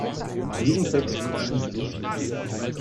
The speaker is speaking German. In diesem Text geschieht nicht viel.